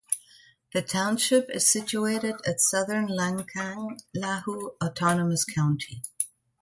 The township is situated at southern Lancang Lahu Autonomous County.